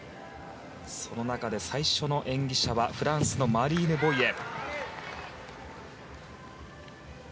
その中で、最初の演技者はフランスのマリーヌ・ボイエ。